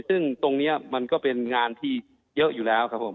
ซึ่งตรงนี้มันก็เป็นงานที่เยอะอยู่แล้วครับผม